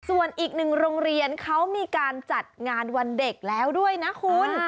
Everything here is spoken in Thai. ส่วนอีกหนึ่งโรงเรียนเขามีการจัดงานวันเด็กแล้วด้วยนะคุณ